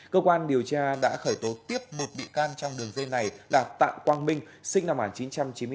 cơ quan điều tra đã khởi tố tiếp một bị can trong đường dây này là tạ quang minh sinh năm một nghìn chín trăm chín mươi bốn